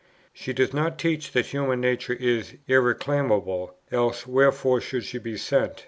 She does not teach that human nature is irreclaimable, else wherefore should she be sent?